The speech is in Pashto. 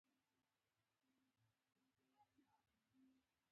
هلک د پاک نیت خاوند دی.